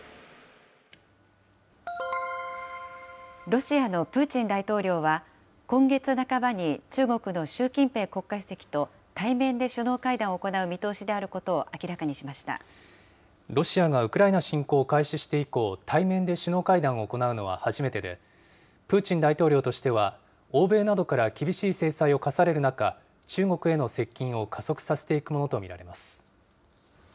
ロシアのプーチン大統領は、今月半ばに中国の習近平国家主席と対面で首脳会談を行う見通しでロシアがウクライナ侵攻を開始して以降、対面で首脳会談を行うのは初めてで、プーチン大統領としては、欧米などから厳しい制裁を科される中、中国への接近を加速させていくものと見られます。